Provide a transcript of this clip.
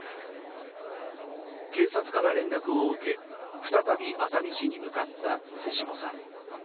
警察から連絡を受け、再び熱海市に向かった瀬下さん。